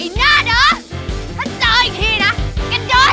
ไอ้หน้าเดอะถ้าเจออีกทีนะก็โดนแน่